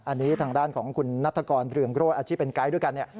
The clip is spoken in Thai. อันนี้ทางด้านของคุณนัฐกรเรืองโรศอาชีพเป็นไกด์ด้วยกันเนี่ย